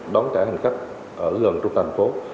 đón trả hành khách ở gần trung tâm thành phố